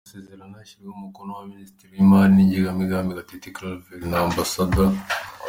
Aya masezerano yashyizweho umukono na Minisitiri w’imali n’igenamigambi Gatete Claver, na Amb.